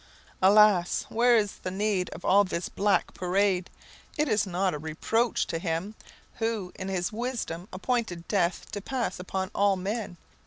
Alas! Where is the need of all this black parade? Is it not a reproach to Him, who, in his wisdom, appointed death to pass upon all men?